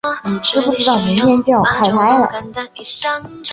你知不知道明天就要开拍了